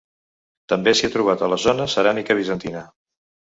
També s'hi ha trobat a la zona ceràmica bizantina.